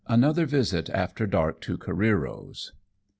ANOTHER VISIT AETEK DARK TO CAREEEO's.